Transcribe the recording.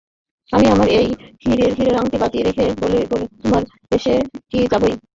আমি আমার এই হীরের আংটি বাজি রেখে বলেছিলুম, তোমাকে রেসে নিয়ে যাবই।